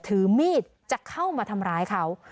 ถือมีดจะเข้ามาทำร้ายเขา